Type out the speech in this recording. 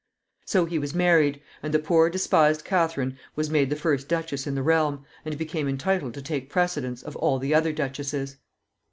So he was married, and the poor despised Catharine was made the first duchess in the realm, and became entitled to take precedence of all the other duchesses.